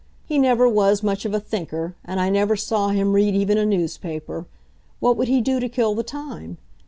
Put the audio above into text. He never was much of a thinker, and I never saw him read even a newspaper. What would he do to kill the time?